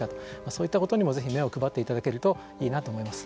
そういったことにも是非目を配っていただけるといいなと思います。